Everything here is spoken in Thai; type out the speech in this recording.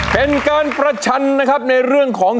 เป็นเกินประชันในเรื่องของ